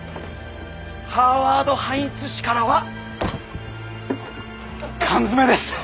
ハーワード・ハインツ氏からは缶詰です。